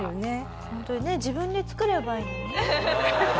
ホントにね自分で作ればいいのにね。